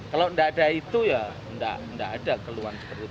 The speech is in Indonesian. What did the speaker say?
kalau tidak ada itu ya tidak ada keluhan seperti itu